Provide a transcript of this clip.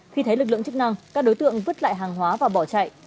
khi thấy lực lượng chức năng các đối tượng vứt lại hàng hóa và bỏ chạy